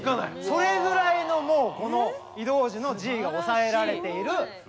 それぐらいのもうこの移動時のＧが抑えられている。